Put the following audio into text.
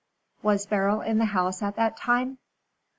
"Was Beryl in the house at that time?"